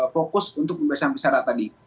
fokus untuk pembebasan besar tadi